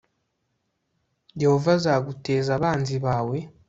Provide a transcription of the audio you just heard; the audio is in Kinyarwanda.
yehova azaguteza abanzi bawe